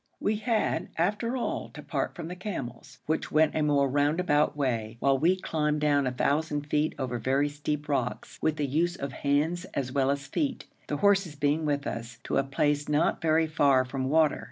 We had, after, all, to part from the camels, which went a more roundabout way, while we climbed down 1,000 feet over very steep rocks, with the use of hands as well as feet, the horses being with us, to a place not very far from water.